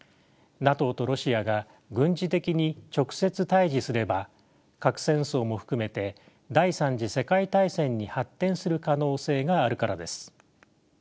ＮＡＴＯとロシアが軍事的に直接対峙すれば核戦争も含めて第３次世界大戦に発展する可能性があるからです。